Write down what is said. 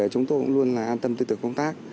chúng tôi cũng luôn an tâm tư tử công tác